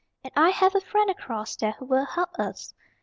And I have a friend across there who will help us.